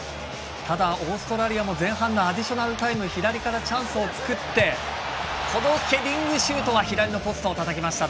オーストラリアも前半のアディショナルタイム左からチャンスを作ってこのヘディングシュートは左のポストをたたきました。